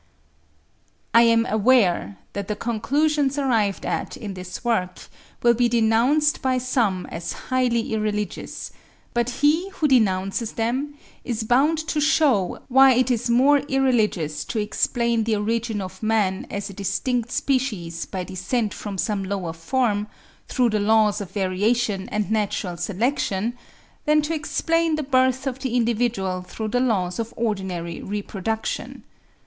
I am aware that the conclusions arrived at in this work will be denounced by some as highly irreligious; but he who denounces them is bound to shew why it is more irreligious to explain the origin of man as a distinct species by descent from some lower form, through the laws of variation and natural selection, than to explain the birth of the individual through the laws of ordinary reproduction.